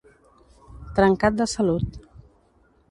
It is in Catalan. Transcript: Trencat de salut.